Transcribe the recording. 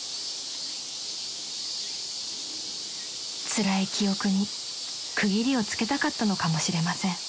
［つらい記憶に区切りをつけたかったのかもしれません］